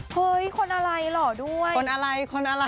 เฮ้ยคนอะไรหรอด้วย